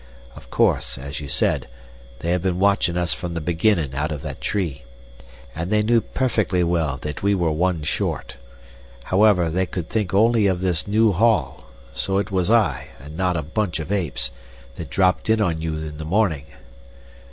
Of course, as you said, they have been watchin' us from the beginnin' out of that tree, and they knew perfectly well that we were one short. However, they could think only of this new haul; so it was I, and not a bunch of apes, that dropped in on you in the morning.